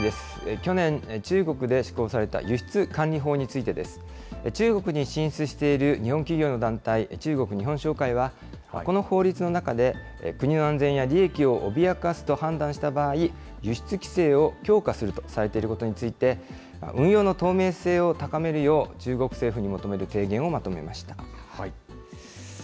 去年、中国で施行された輸出管理法についてです。中国に進出している日本企業の団体、中国日本商会は、この法律の中で、国の安全や利益を脅かすと判断した場合、輸出規制を強化するとされていることについて、運用の透明性を高めるよう中国政府に求める提言をまとめました。